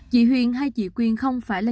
chị huyền hay chị quyên không phải là